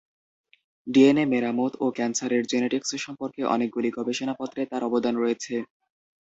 DNA মেরামত ও ক্যান্সারের জেনেটিক্স সম্পর্কে অনেকগুলি গবেষণাপত্রে তাঁর অবদান রয়েছে।